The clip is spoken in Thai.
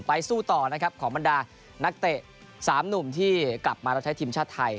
สู้ต่อนะครับของบรรดานักเตะ๓หนุ่มที่กลับมาแล้วใช้ทีมชาติไทย